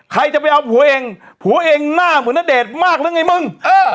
ใครจะไปเอาผัวเองผัวเองหน้าเหมือนณเดชน์มากหรือไงมึงเออ